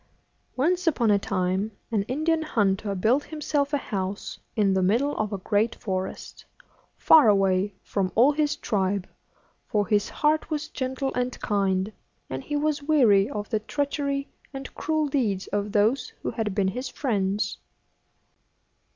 Once upon a time an Indian hunter built himself a house in the middle of a great forest, far away from all his tribe; for his heart was gentle and kind, and he was weary of the treachery and cruel deeds of those who had been his friends.